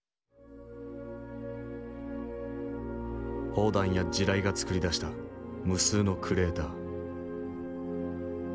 砲弾や地雷が作り出した無数のクレーター。